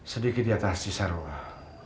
sedikit di atas cisa ruah